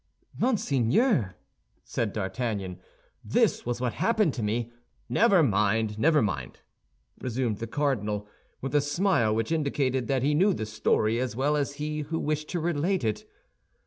"Monseigneur," said D'Artagnan, "this was what happened to me—" "Never mind, never mind!" resumed the cardinal, with a smile which indicated that he knew the story as well as he who wished to relate it.